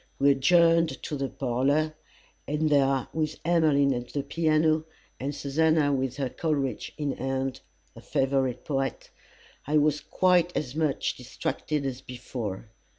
We adjourned to the parlour, and there, with Emmeline at the piano, and Susannah with her Coleridge in hand her favourite poet I was quite as much distracted as before.